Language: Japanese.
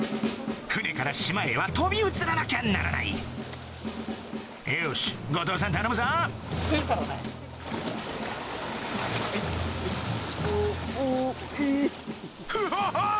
船から島へは飛び移らなきゃならないよし後藤さん頼むぞ・滑るからね・ウハハ！